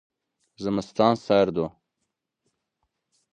Zimistan serd o